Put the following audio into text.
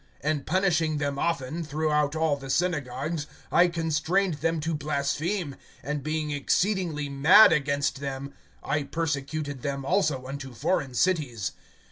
(11)And punishing them often, throughout all the synagogues, I constrained them to blaspheme; and being exceedingly mad against them, I persecuted them also unto foreign cities.